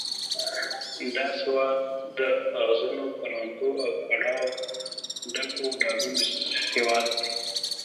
دا سواد د اغزنو کروندو او کړاوه ډکو ډاګونو سواد دی.